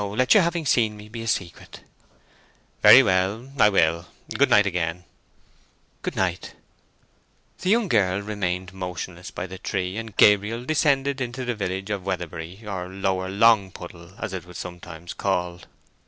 Let your having seen me be a secret!" "Very well; I will. Good night, again." "Good night." The young girl remained motionless by the tree, and Gabriel descended into the village of Weatherbury, or Lower Longpuddle as it was sometimes called.